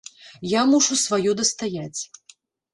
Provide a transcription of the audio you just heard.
Я мушу сваё дастаяць.